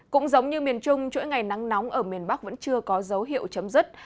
cũng giống như miền trung chuỗi ngày nắng nóng ở miền bắc vẫn chưa có dấu hiệu chấm dứt